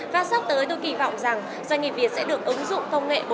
và sắp tới tôi kỳ vọng rằng doanh nghiệp việt sẽ được ứng dụng công nghệ bốn